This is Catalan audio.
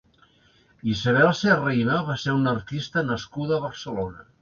Isabel Serrahima va ser una artista nascuda a Barcelona.